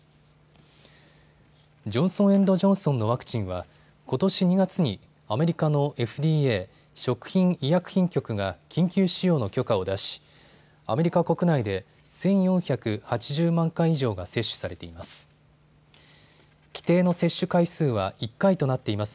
ジョンソン・エンド・ジョンソンのワクチンはことし２月にアメリカのＦＤＡ・食品医薬品局が緊急使用の許可を出しアメリカ国内で１４８０万回以上が接種されています。